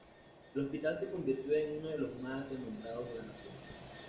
El hospital se convirtió en uno de los más renombrados de la nación.